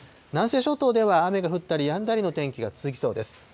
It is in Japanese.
南西諸島では雨が降ったりやんだりの天気が続きそうです。